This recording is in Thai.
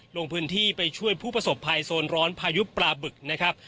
ลงพื้นที่ไปช่วยผู้ประสบภัยโซนร้อนพายุปลาบึกนะครับ